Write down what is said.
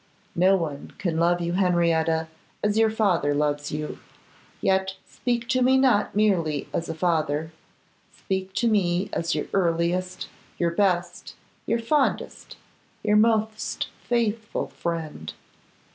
No one can love you, Henrietta, as your father loves you; yet speak to me not merely as a father; speak to me as your earliest, your best, your fondest, your most faithful friend.